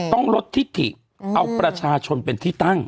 ต้องลดทิศถิเอาประชาชนเป็นที่ตั้ง